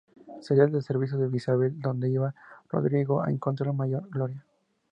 Sería al servicio de Isabel donde iba Rodrigo a encontrar mayor gloria.